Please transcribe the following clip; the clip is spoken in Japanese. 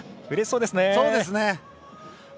うれしそうですね。